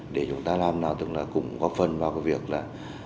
để chúng ta làm nào cũng góp phần vào cái việc là